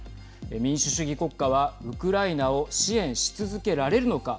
民主主義国家は、ウクライナを支援し続けられるのか。